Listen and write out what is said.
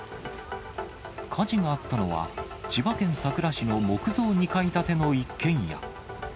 火事があったのは、千葉県佐倉市の木造２階建ての一軒家。